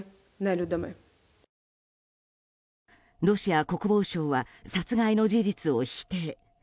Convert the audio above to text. ロシア国防省は殺害の事実を否定。